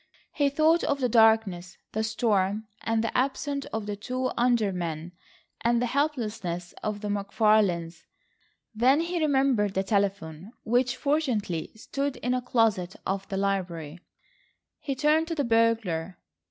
He thought of the darkness, the storm, the absence of the two undermen, and the helplessness of the McFarlanes. Then he remembered the telephone, which, fortunately, stood in a closet off the library. He turned to the burglar.